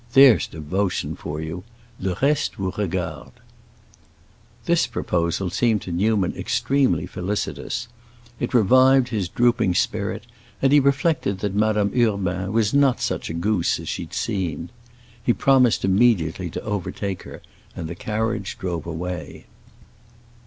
There's devotion for you! Le reste vous regarde." This proposal seemed to Newman extremely felicitous; it revived his drooping spirit, and he reflected that Madame Urbain was not such a goose as she seemed. He promised immediately to overtake her, and the carriage drove away.